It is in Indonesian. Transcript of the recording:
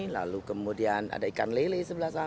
lalu kemudian ada ikan lele sebelah sana